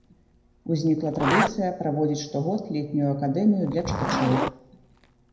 Узнікла традыцыя праводзіць штогод летнюю акадэмію для чытачоў.